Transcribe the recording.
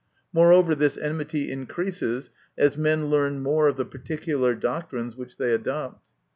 Moreover, this enmity increases as men learn more of the particular doctrines which they adopt.